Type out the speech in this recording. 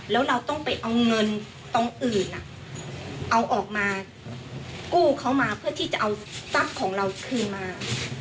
แล้วเราต้องไปเอาเงินตรงอื่นเอาออกมากู้เขามาเพื่อที่จะเอาทรัพย์ของเราคืนมา